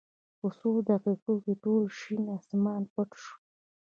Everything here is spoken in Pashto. په څو دقېقو کې ټول شین اسمان پټ شو.